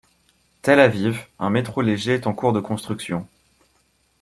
Tel Aviv, un métro léger est en cours de construction.